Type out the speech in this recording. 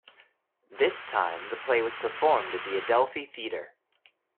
This time the play was performed at the Adelphi Theatre.